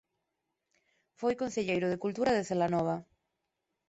Foi concelleiro de Cultura de Celanova.